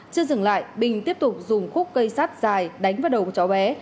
chưa dừng lại bình tiếp tục dùng khúc cây sắt dài đánh vào đầu của cháu bé